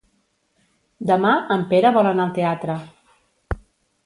Demà en Pere vol anar al teatre.